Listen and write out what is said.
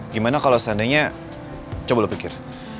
gimana kalau seandainya coba lo pikir